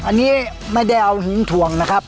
อันนี้ไม่ได้เอาหินถ่วงนะครับ